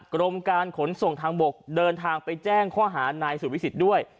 กรมการขนส่งทางบกเดินทางไปแจ้งข้อหานายสุวิสิทธิ์ด้วย